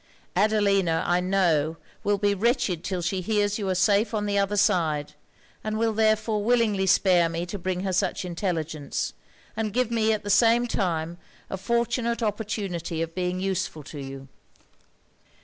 Adelina, I know, will be wretched 'till she hears you are safe on the other side; and will therefore willingly spare me to bring her such intelligence; and give me at the same time a fortunate opportunity of being useful to you.'